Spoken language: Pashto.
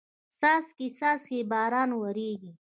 څاڅکي څاڅکي باران وریږي